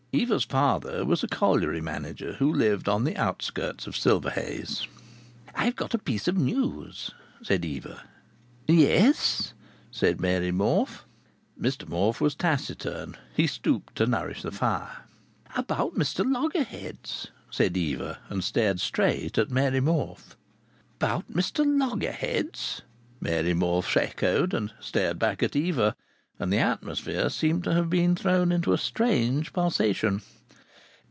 Eva's father was a colliery manager who lived on the outskirts of Silverhays. "I've got a piece of news," said Eva. "Yes?" said Mary Morfe Mr Morfe was taciturn. He stooped to nourish the fire. "About Mr Loggerheads," said Eva, and stared straight at Mary Morfe. "About Mr Loggerheads!" Mary Morfe echoed, and stared back at Eva. And the atmosphere seemed to have been thrown into a strange pulsation.